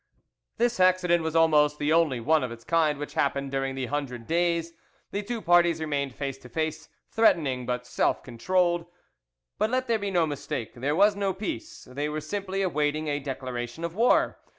This accident was almost the only one of its kind which happened during the Hundred Days: the two parties remained face to face, threatening but self controlled. But let there be no mistake: there was no peace; they were simply awaiting a declaration of war.